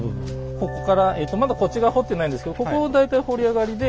ここからえとまだこっち側掘ってないんですけどここ大体堀り上がりで